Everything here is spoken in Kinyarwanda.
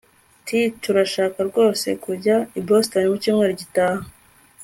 T Turashaka rwose kujya i Boston mucyumweru gitaha